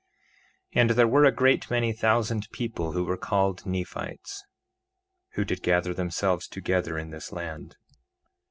3:24 And there were a great many thousand people who were called Nephites, who did gather themselves together in this land.